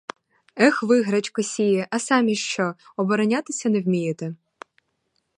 Ех ви, гречкосії, а самі ж що, оборонятися не вмієте?